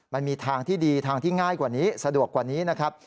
มันมีทางที่ดีทางที่ง่ายกว่านี้สะดวกกว่านี้นะครับ